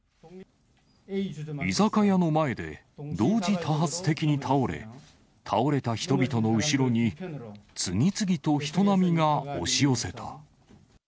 居酒屋の前で、同時多発的に倒れ、倒れた人々の後ろに、次々と人波が押し寄せた。